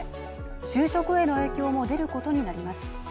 就職への影響も出ることになります。